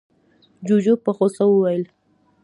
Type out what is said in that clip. جُوجُو په غوسه وويل: